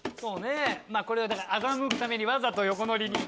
これはだからあざむくためにわざと横ノリに。